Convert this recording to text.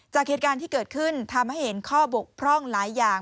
จากเหตุการณ์ที่เกิดขึ้นทำให้เห็นข้อบกพร่องหลายอย่าง